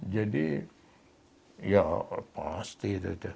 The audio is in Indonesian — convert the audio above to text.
jadi ya pasti